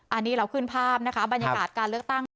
อันนี้เราขึ้นภาพนะคะบรรยากาศการเลือกตั้ง